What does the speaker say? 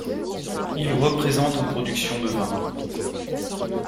Il représente en production de vin.